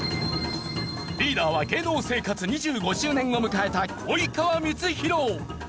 リーダーは芸能生活２５周年を迎えた及川光博。